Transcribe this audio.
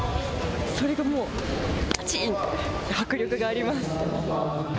それがもうバチーンと、迫力があります。